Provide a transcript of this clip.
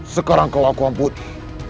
sekarang kau aku ampuni